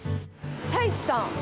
太一さん。